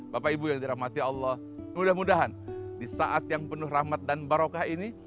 bapak ibu yang dirahmati allah mudah mudahan di saat yang penuh rahmat dan barokah ini